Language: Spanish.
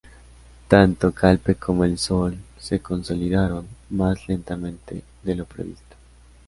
Tanto Calpe como "El Sol" se consolidaron más lentamente de lo previsto.